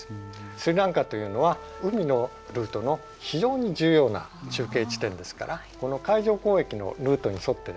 スリランカというのは海のルートの非常に重要な中継地点ですからこの海上交易のルートに沿ってですね